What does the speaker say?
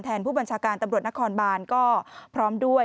ผู้บัญชาการตำรวจนครบานก็พร้อมด้วย